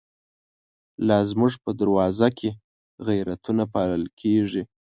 لا زمونږ په دروازو کی، غیرتونه پا لل کیږی